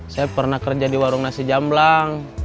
saya pernah kerja di warung nasi jamblang